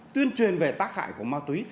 tuyên truyền về tác hại của ma túy